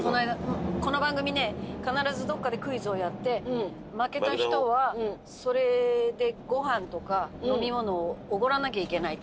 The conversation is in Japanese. この番組ね必ずどこかでクイズをやって負けた人はそれでご飯とか飲みものをおごらなきゃいけないと。